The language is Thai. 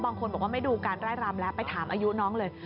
บางคนบอกว่าไม่ดูการไล่รำแล้วไปถามอายุน้องเลย